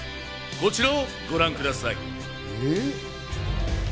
こちらをご覧ください。